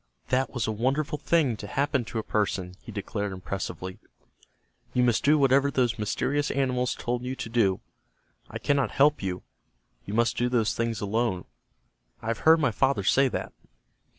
"That was a wonderful thing to happen to a person," he declared, impressively. "You must do whatever those mysterious animals told you to do. I cannot help you. You must do those things alone. I have heard my father say that."